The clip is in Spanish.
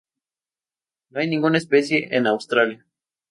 No hay ninguna especie en Australia.